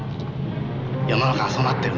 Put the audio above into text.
世の中はそうなってる。